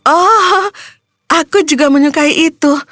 oh aku juga menyukai itu